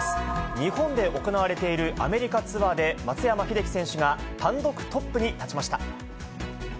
日本で行われているアメリカツアーで、松山英樹選手が単独トップに立ちました。